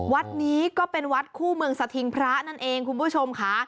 วัดนี้ก็เป็นวัดคู่เมืองสถิงพระนั่นเองคุณผู้ชมค่ะ